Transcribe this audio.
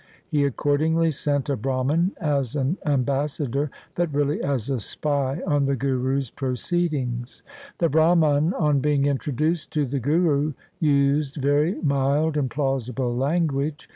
He accordingly sent a Brahman as an ambassador, but really as a spy on the Guru's pro ceedings. The Brahman on being introduced to the Guru used very mild and plausible language.